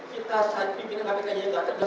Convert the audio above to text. pimpinan kpk nya tidak tegas